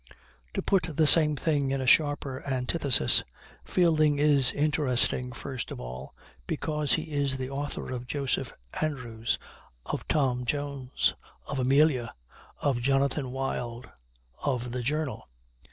To put the same thing in a sharper antithesis, Fielding is interesting, first of all, because he is the author of Joseph Andrews, of Tom Jones, of Amelia, of Jonathan Wild, of the Journal.